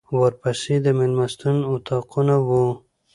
ورپسې د مېلمستون اطاقونه و.